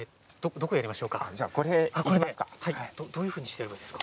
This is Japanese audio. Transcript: じゃあ、これ、いきますか。